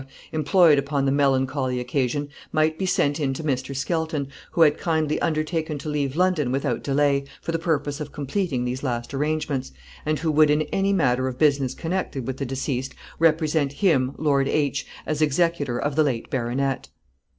employed upon the melancholy occasion, might be sent in to Mr. Skelton, who had kindly undertaken to leave London without any delay, for the purpose of completing these last arrangements, and who would, in any matter of business connected with the deceased, represent him, Lord H , as executor of the late baronet.